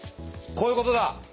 こういうことだ！